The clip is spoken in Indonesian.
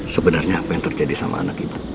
sebenarnya apa yang terjadi sama anak ibu